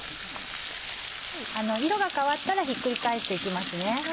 色が変わったらひっくり返して行きますね。